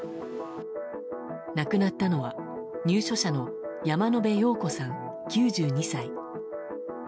亡くなったのは入所者の山野辺陽子さん、９２歳。